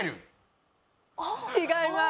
違います。